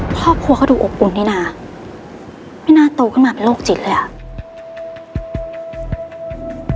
ครอบครัวเขาดูอบอุ่นนี่น่ะไม่น่าโตขึ้นมาเป็นโรคจิตเลยอ่ะ